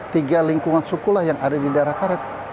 tiga lingkungan sukulah yang ada di daerah karet